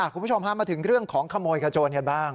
คุณผู้ชมพามาถึงเรื่องของขโมยกระโจนกันบ้าง